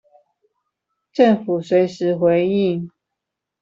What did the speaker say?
政府隨時回應